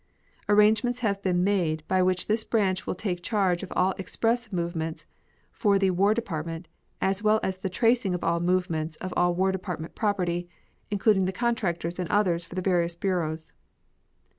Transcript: Arrangements have been made by which this branch will take charge of all express movements for the War Department, as well as the tracing of the movements of all War Department property, including the contractors and others for the various bureaus.